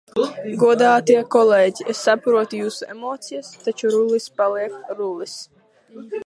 Godātie kolēģi, es saprotu jūsu emocijas, taču Rullis paliek Rullis.